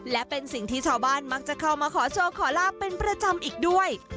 และเป็นสิ่งที่ชาวบ้านมักจะเข้ามาขอโชคขอลาบเป็นประจำอีกด้วย